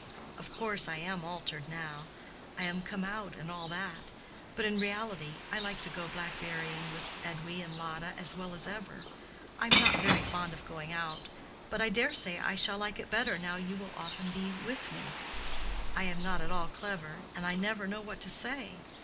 "Of course, I am altered now; I am come out, and all that. But in reality I like to go blackberrying with Edwy and Lotta as well as ever. I am not very fond of going out; but I dare say I shall like it better now you will be often with me. I am not at all clever, and I never know what to say.